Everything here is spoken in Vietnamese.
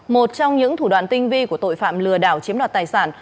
một trong những thủ đoạn tinh vi của tội phạm lừa đảo chiếm đoạt tài sản